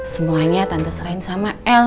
semuanya tante serahin sama el